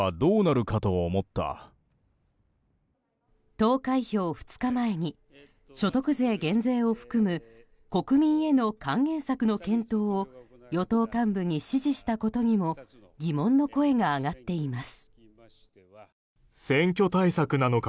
投開票２日前に所得税減税を含む国民への還元策の検討を与党幹部に指示したことにも疑問の声が上がっています。